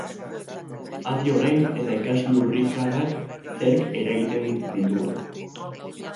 Adi orain eta ikas lurrikarak zerk eragiten dituen.